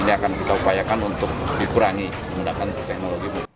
ini akan kita upayakan untuk dikurangi menggunakan teknologi